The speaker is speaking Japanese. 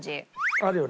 あるよね？